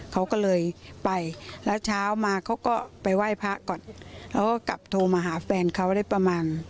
เขาก็เลยไปแล้วเช้ามาเขาก็ไปไหว้พระก่อนแล้วก็กลับโทรมาหาแฟนเขาได้ประมาณ